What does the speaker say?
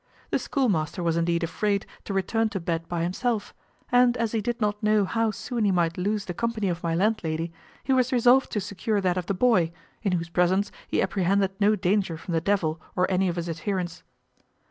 The schoolmaster was indeed afraid to return to bed by himself; and as he did not know how soon he might lose the company of my landlady, he was resolved to secure that of the boy, in whose presence he apprehended no danger from the devil or any of his adherents.